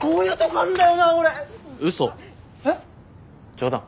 冗談。